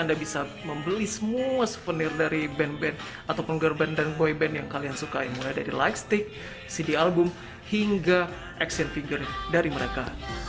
anda bisa membeli semua souvenir dari band band ataupun girban dan boy band yang kalian sukai mulai dari lightstick cd album hingga action figure dari mereka